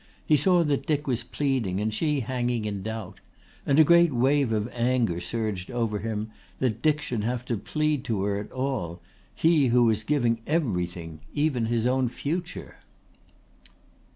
He saw that Dick was pleading and she hanging in doubt; and a great wave of anger surged over him that Dick should have to plead to her at all, he who was giving everything even his own future.